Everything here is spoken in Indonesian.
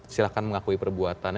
silahkan mengakui perbuatannya